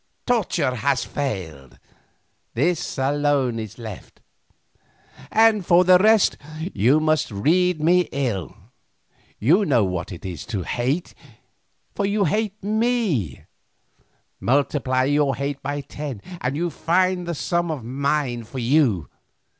Torture has failed; this alone is left. And for the rest, you must read me ill. You know what it is to hate, for you hate me; multiply your hate by ten and you may find the sum of mine for you.